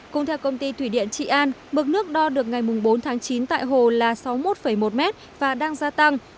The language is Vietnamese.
cùng theo công ty thủy điện trị an mực nước đo được ngày bốn tháng chín tại hồ là sáu mươi một một mét và đang gia tăng